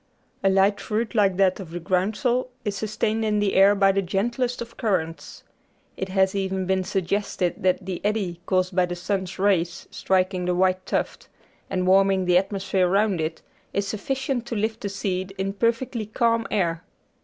A light fruit like that of the groundsel is sustained in the air by the gentlest of currents. It has even been suggested that the eddy caused by the sun's rays striking the white tuft, and warming the atmosphere round it, is sufficient to lift the seed in perfectly calm air.